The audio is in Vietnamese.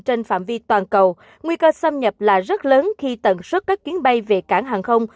trên phạm vi toàn cầu nguy cơ xâm nhập là rất lớn khi tần suất các chuyến bay về cảng hàng không